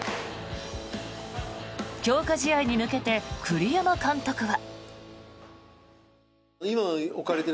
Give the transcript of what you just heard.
強化試合に向けて栗山監督は。